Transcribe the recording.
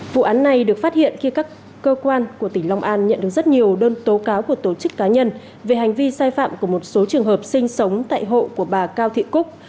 vụ án này được phát hiện khi các cơ quan của tỉnh long an nhận được rất nhiều đơn tố cáo của tổ chức cá nhân về hành vi sai phạm của một số trường hợp sinh sống tại hộ của bà cao thị cúc